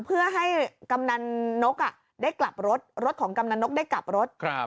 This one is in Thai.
เพื่อให้กำนันนกได้กลับรถรถของกำนันนกได้กลับรถ